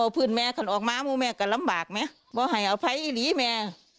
เพราะให้พัยหลีแม่